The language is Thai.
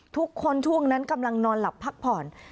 ช่วงนั้นกำลังนอนหลับพักผ่อน